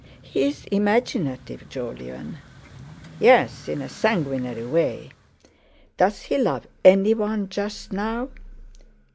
"He's imaginative, Jolyon." "Yes, in a sanguinary way. Does he love anyone just now?"